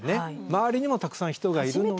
周りにもたくさん人がいるので。